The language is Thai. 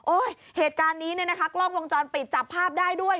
โอ๊ยเหตุการณ์นี้กล้องวงจรปิดจับภาพได้ด้วย